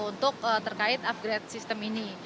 untuk terkait upgrade sistem ini